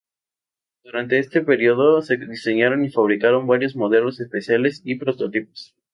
Durante este periodo, se diseñaron y fabricaron varios modelos especiales y prototipos.